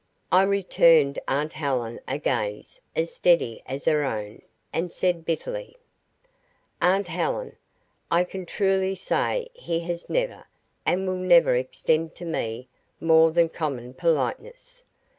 I returned aunt Helen a gaze as steady as her own, and said bitterly: "Aunt Helen, I can truly say he has never, and will never extend to me more than common politeness.